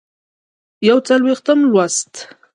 یوڅلوېښتم لوست